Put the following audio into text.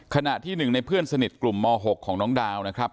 ขณะที่หนึ่งในเพื่อนสนิทกลุ่มม๖ของน้องดาวนะครับ